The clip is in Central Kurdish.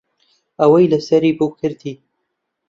ئەوەی لەسەری بوو کردی.